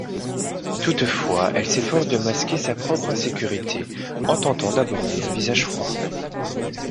Toutefois elle s'efforce de masquer sa propre insécurité en tentant d'aborder un visage froid.